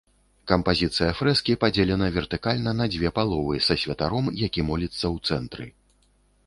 Кампазіцыя фрэскі падзелена вертыкальна на дзве паловы са святаром, які моліцца, у цэнтры.